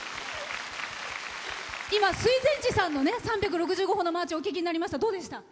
今、水前寺さんの「三百六十五歩のマーチ」をお聴きになりましたがどうですか？